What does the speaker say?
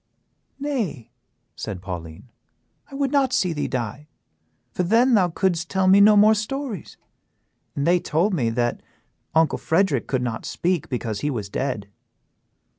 "Nay," said Pauline, "I would not see thee die, for then thou couldst tell me no more stories; for they told me that uncle Frederick could not speak because he was dead."